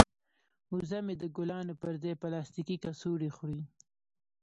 وزه مې د ګلانو پر ځای پلاستیکي کڅوړې خوري.